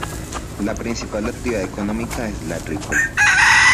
La principal actividad económica es la agrícola.